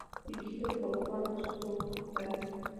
Dirigido por Hannah Lux Davis.